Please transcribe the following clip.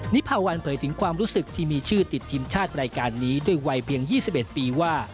นิพาวันเผยถึงความรู้สึกที่มีชื่อติดทีมชาติรายการนี้ด้วยวัยเพียง๒๑ปีว่า